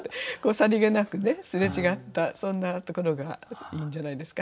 さりげなくねすれ違ったそんなところがいいんじゃないですか。